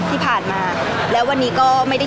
พี่ตอบได้แค่นี้จริงค่ะ